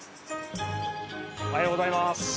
おはようございます。